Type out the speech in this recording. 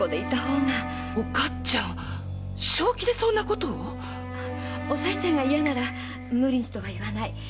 おかつちゃん正気でそんなことを⁉おさいちゃんが嫌なら無理にとは言わない。